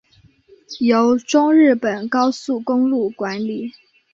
由中日本高速公路管理。